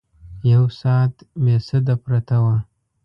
یو ساعت بې سده پرته وه.